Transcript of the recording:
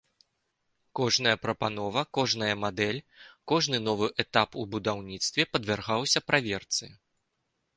Кожная прапанова, кожная мадэль, кожны новы этап у будаўніцтве падвяргаўся праверцы.